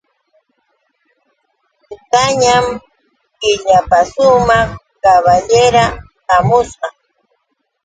Tutaña killapasumaq kaballerya hamushpa.